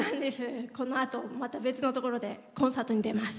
このあと、また別のところでコンサートに出ます。